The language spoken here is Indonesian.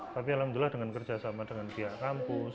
tapi alhamdulillah dengan kerjasama dengan pihak kampus